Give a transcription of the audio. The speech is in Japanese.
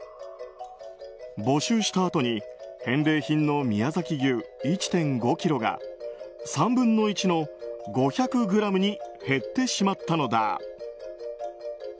募集したあとに返礼品の宮崎牛１．５ｋｇが３分の１の５００ｇに減ってしまったのだ。